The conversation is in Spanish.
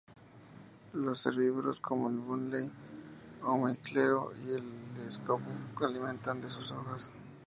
Los herbívoros, como el buey almizclero y el caribú se alimentan de sus hojas.